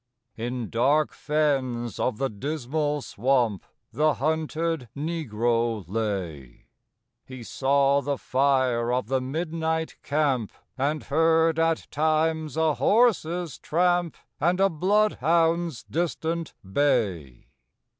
In dark fens of the Dismal Swamp The hunted Negro lay; He saw the fire of the midnight camp, And heard at times a horse's tramp And a bloodhound's distant bay.